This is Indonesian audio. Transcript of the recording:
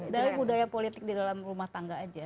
dari budaya politik di dalam rumah tangga aja